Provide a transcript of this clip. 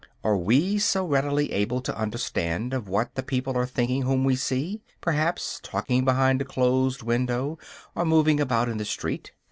Are we so readily able to understand of what the people are thinking whom we see, perhaps, talking behind a closed window or moving about in the street?